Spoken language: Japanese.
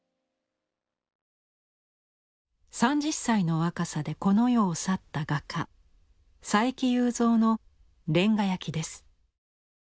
３０歳の若さでこの世を去った画家佐伯祐三の「煉瓦焼」です。